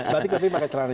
batik tapi pakai celana